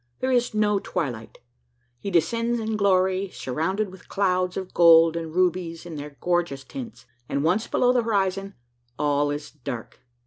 There is no twilight: he descends in glory, surrounded with clouds of gold and rubies in their gorgeous tints; and once below the horizon, all is dark.